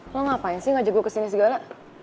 lo ngapain sih ngajak gue kesini segala